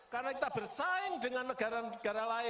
karena kita bersaing dengan negara negara lain